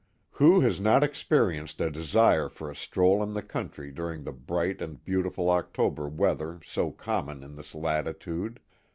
Who has not experienced a desire for a stroll in the country during the bright and beautiful October weather so common in this latitude